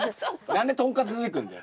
何でとんかつ出てくんだよ。